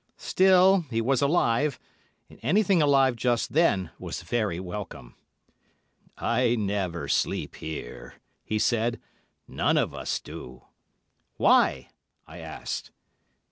Still, he was alive, and anything alive just then was very welcome. "I never sleep here," he said; "none of us do." "Why?" I asked.